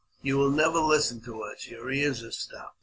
You will never listen to us : your ears are stopped.